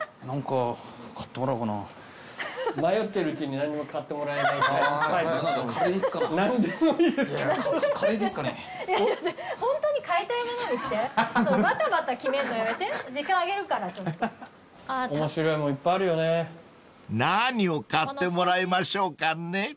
［何を買ってもらいましょうかね］